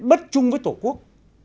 bất chung với tổ quốc